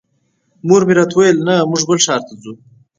مور مې راته وویل نه موږ بل ښار ته ځو.